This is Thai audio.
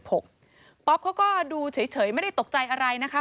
ป๊อปเขาก็ดูเฉยไม่ได้ตกใจอะไรนะคะ